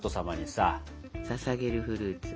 ささげるフルーツ。